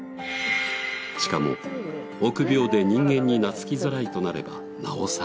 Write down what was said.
しかも臆病で人間に懐きづらいとなればなおさら。